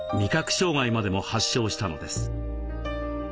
障害までも発症したのです。